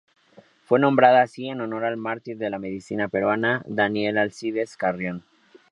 Fue nombrada así en honor al mártir de la medicina peruana, Daniel Alcides Carrión.